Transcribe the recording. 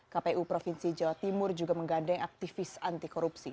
kpu provinsi jawa timur juga menggandeng aktivis anti korupsi